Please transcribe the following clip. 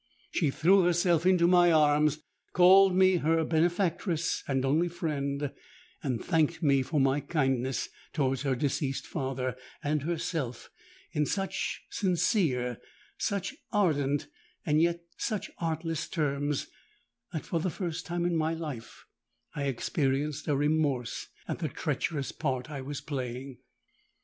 She threw herself into my arms, called me her benefactress and only friend, and thanked me for my kindness towards her deceased father and herself, in such sincere—such ardent—and yet such artless terms, that for the first time in my life I experienced a remorse at the treacherous part I was playing.